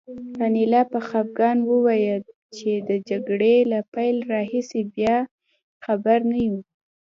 انیلا په خپګان وویل چې د جګړې له پیل راهیسې بیا خبر نه یو